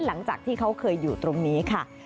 หลังจากที่เขาเคยอยู่ตรงนี้ค่ะ